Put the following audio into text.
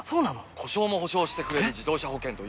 故障も補償してくれる自動車保険といえば？